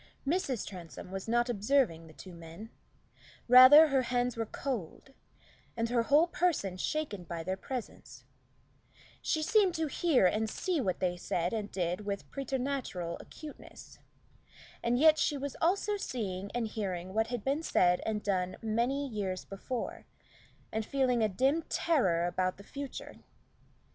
Mrs. Transome was not observing the two men; rather, her hands were cold, and her whole person shaken by their presence; she seemed to hear and see what they said and did with preternatural acuteness, and yet she was also seeing and hearing what had been said and done many years before, and feeling a dim terror about the future.